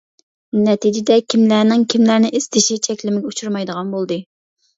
نەتىجىدە، كىملەرنىڭ كىملەرنى ئىزدىشى چەكلىمىگە ئۇچرىمايدىغان بولدى.